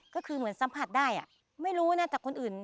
ก็คือเหมือนสัมผัสได้ไม่รู้นะจากคนอื่น